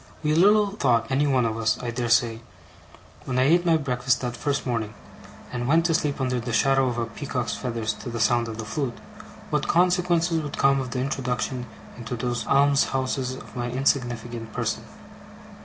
We little thought, any one of us, I dare say, when I ate my breakfast that first morning, and went to sleep under the shadow of the peacock's feathers to the sound of the flute, what consequences would come of the introduction into those alms houses of my insignificant person.